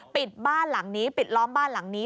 ปิดบ้านหลังนี้ปิดล้อมบ้านหลังนี้